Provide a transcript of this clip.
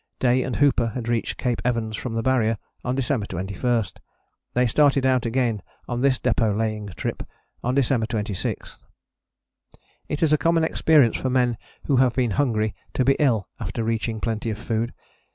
Day and Hooper had reached Cape Evans from the Barrier on December 21: they started out again on this depôt laying trip on December 26. It is a common experience for men who have been hungry to be ill after reaching plenty of food.